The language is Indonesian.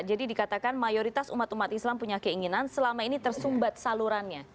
jadi dikatakan mayoritas umat umat islam punya keinginan selama ini tersumbat salurannya